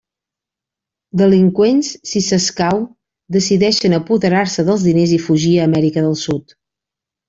Delinqüents si s'escau, decideixen apoderar-se dels diners i fugir a Amèrica del sud.